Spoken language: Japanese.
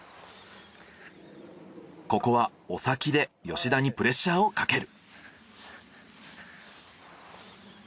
ここはお先で吉田にプレッシャーをかける。